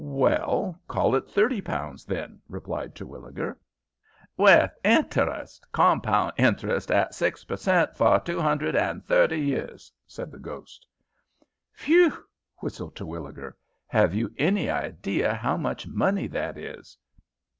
"Well, call it thirty pounds, then," replied Terwilliger. "With hinterest compound hinterest at six per cent. for two 'undred and thirty years," said the ghost. "Phew!" whistled Terwilliger. "Have you any idea how much money that is?"